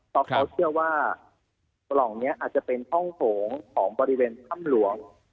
เพราะเขาเชื่อว่าปล่องนี้อาจจะเป็นห้องโถงของบริเวณถ้ำหลวง